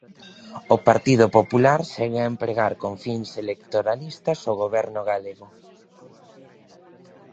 O Partido Popular segue a empregar con fins electoralistas o goberno galego.